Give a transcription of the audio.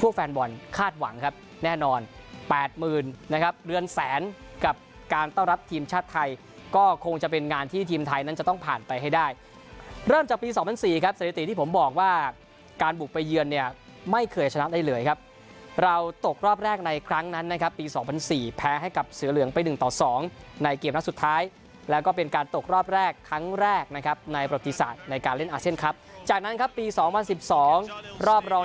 พวกแฟนบอลคาดหวังครับแน่นอน๘๐๐๐๐นะครับเรือนแสนกับการต้องรับทีมชาวไทยก็คงจะเป็นงานที่ทีมไทยนั้นจะต้องผ่านไปให้ได้เริ่มจากปี๒๐๐๔ครับสถิติที่ผมบอกว่าการบุกไปเยือนเนี่ยไม่เคยชนะได้เลยครับเราตกรอบแรกในครั้งนั้นนะครับปี๒๐๐๔แพ้ให้กับเสือเหลืองไป๑ต่อ๒ในเกมสุดท้ายแล้วก็เป็นการตกรอบแรกครั้ง